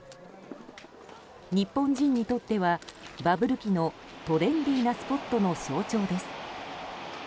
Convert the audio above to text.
日本人にとってはバブル期のトレンディーなスポットの象徴です。